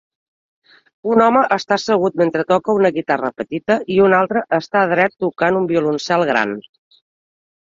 un home està assegut mentre toca una guitarra petita i un altre està dret tocant un violoncel gran